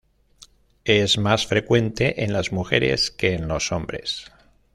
Es más frecuente en las mujeres que en los hombres.